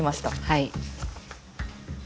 はい。